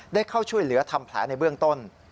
ได้เข้าช่วยเหลือทำแผลในเบื้องต้น